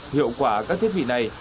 hiệu quả các thiết bị này